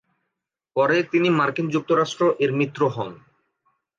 পরে তিনি মার্কিন যুক্তরাষ্ট্র এর মিত্র হন।